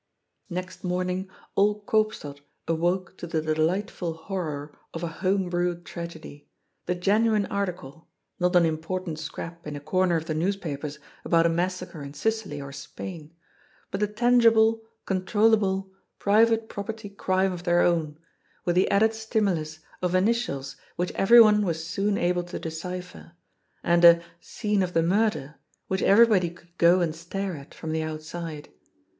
Next morning all Koopstad awoke to the delightful horror of a home brewed tragedy, the genuine article, not an imported scrap in a comer of the newspapers about a massacre in Sicily or Spain, but a tangible, controllable, private property crime of their own, with the added stimu lus of initials which everyone was soon able to decipher, and a " scene of the murder " which everybody could go and stare at, from the outside.